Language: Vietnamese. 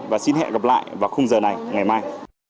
và xin hẹn gặp lại vào khung giờ này ngày mai